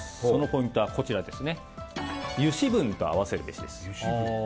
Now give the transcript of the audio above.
そのポイントがこちら油脂分とあわせるべしです。